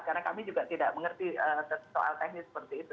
karena kami juga tidak mengerti soal teknis seperti itu